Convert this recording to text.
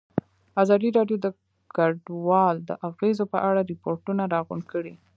ازادي راډیو د کډوال د اغېزو په اړه ریپوټونه راغونډ کړي.